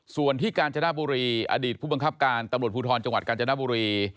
ส่วนที่กาญจนบุรีอดีตผู้บังคับการตำรวจภูทรจังหวัดกาญจนบุรี